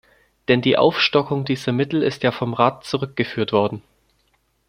Denn die Aufstockung dieser Mittel ist ja vom Rat zurückgeführt worden.